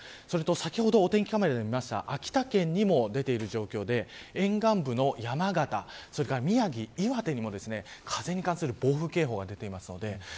先ほど、お天気カメラでも見た秋田県にも出ている状況で沿岸部の山形それから宮城、岩手も風に関する暴風警報が出ています。